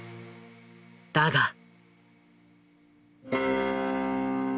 だが。